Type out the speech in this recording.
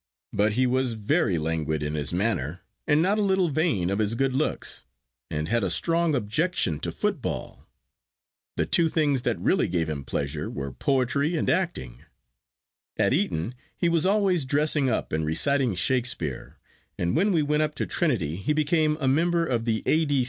But he was very languid in his manner, and not a little vain of his good looks, and had a strong objection to football. The two things that really gave him pleasure were poetry and acting. At Eton he was always dressing up and reciting Shakespeare, and when we went up to Trinity he became a member of the A.